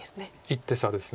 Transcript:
１手差です